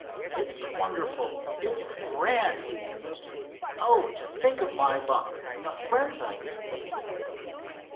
"It's wonderful, it's grand!" he mused. "Oh, to think of my luck! And the friends I've met with!"